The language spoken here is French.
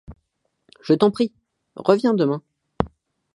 Je t'en prie, reviens demain.